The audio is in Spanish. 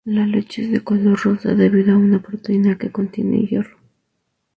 La leche es de color rosa debido a una proteína que contiene hierro.